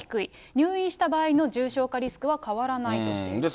入院した場合の重症化リスクは変わらないとしています。